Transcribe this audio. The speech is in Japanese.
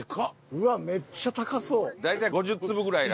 うわめっちゃ高そう。